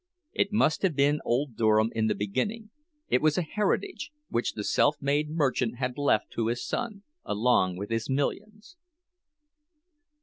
It must have been old Durham in the beginning; it was a heritage which the self made merchant had left to his son, along with his millions.